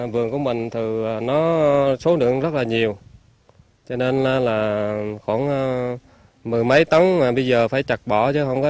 vườn của mình thì nó số lượng rất là nhiều cho nên là khoảng mười mấy tấn mà bây giờ phải chặt bỏ chứ không có